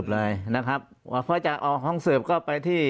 ปากกับภาคภูมิ